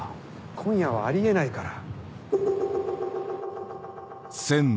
今夜はあり得ないから。